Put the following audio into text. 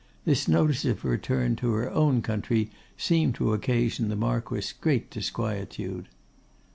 This notice of her return to her own country seemed to occasion the Marquess great disquietude.